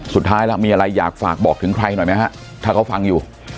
สุดท้ายแล้วมีอะไรอยากฝากบอกถึงใครหน่อยไหมฮะถ้าเขาฟังอยู่